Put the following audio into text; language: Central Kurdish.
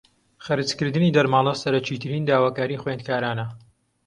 خەرجکردنی دەرماڵە سەرەکیترین داواکاریی خوێندکارانە